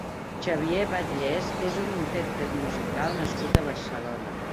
Xavier Batllés és un intérpret musical nascut a Barcelona.